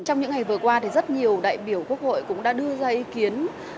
trong những ngày vừa qua thì rất nhiều đại biểu quốc hội cũng đã đưa ra ý kiến